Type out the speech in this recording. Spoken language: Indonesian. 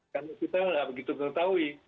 karena kita yang tidak begitu mengetahui